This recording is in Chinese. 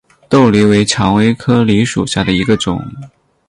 豆梨为蔷薇科梨属下的一个种。